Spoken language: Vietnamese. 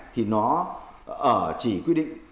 thì nó chỉ quy định